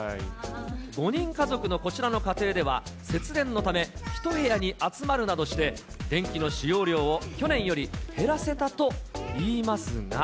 ５人家族のこちらの家庭では、節電のため、１部屋に集まるなどして電気の使用量を去年より減らせたといいますが。